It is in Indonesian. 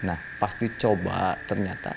nah pasti coba ternyata